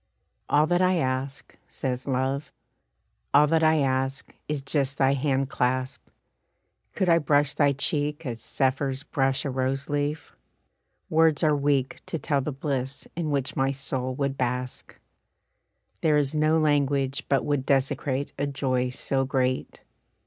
"All that I ask," says Love, "all that I ask, Is just thy hand clasp. Could I brush thy cheek As zephyrs brush a rose leaf, words are weak To tell the bliss in which my soul would bask. There is no language but would desecrate A joy so great."